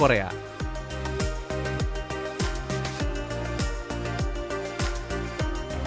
yang gurih khas korea